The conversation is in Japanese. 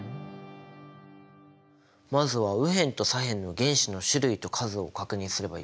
まずは右辺と左辺の原子の種類と数を確認すればいいよね。